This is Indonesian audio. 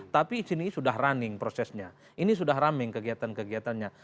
tapi ini sudah running prosesnya ini sudah running kegiatan kegiatannya